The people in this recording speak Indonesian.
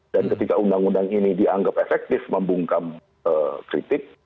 dan ketika undang undang ini dianggap efektif membungkam kritik